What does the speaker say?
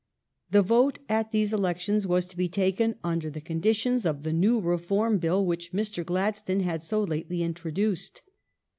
The vote at these elections was to be taken under the condi tions of the new Reform Bill which Mr. Gladstone had so lately introduced.